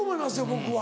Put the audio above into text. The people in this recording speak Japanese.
僕は。